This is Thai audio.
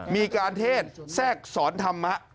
มีการเทศแทรกสอนธรรมะ